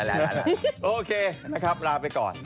โอเคนะครับลาไปก่อน